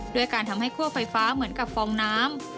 ด้วยการทำให้คั่วไฟฟ้าเหมือนกับฟองน้ำ